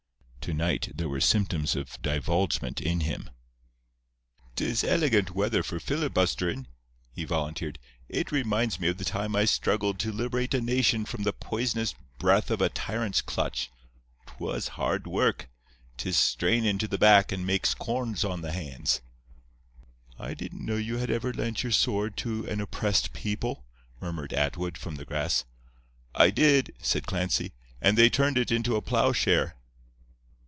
To night there were symptoms of divulgement in him. "'Tis elegant weather for filibusterin'," he volunteered. "It reminds me of the time I struggled to liberate a nation from the poisonous breath of a tyrant's clutch. 'Twas hard work. 'Tis strainin' to the back and makes corns on the hands." "I didn't know you had ever lent your sword to an oppressed people," murmured Atwood, from the grass. "I did," said Clancy; "and they turned it into a ploughshare."